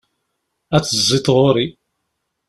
Ad d-tezziḍ ɣur-i.